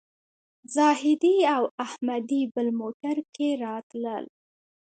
زاهدي او احمدي بل موټر کې راتلل.